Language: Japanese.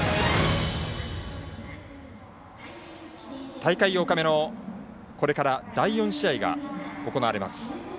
大会８日目の、これから第４試合が行われます。